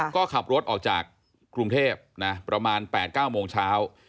ก็ขับรถออกจากกรุงเทพประมาณ๘๙โมงเช้า